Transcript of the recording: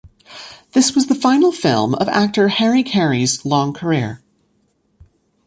This was the final film of actor Harry Carey's long career.